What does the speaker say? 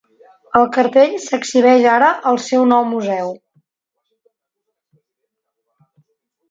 El cartell s'exhibeix ara al seu nou museu.